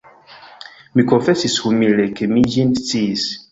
Mi konfesis humile, ke mi ĝin sciis.